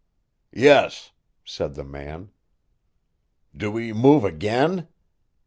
"Yes," said the man. "Do we move again?"